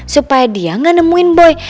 supaya dia gak nemuin boy